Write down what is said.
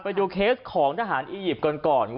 ไปดูเคสของทหารอียิปต์ก่อน